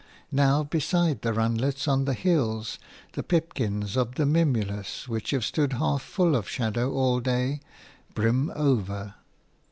Now beside the runlets on the hills the pipkins of the mimulus, which have stood half full of shadow all day, brim over.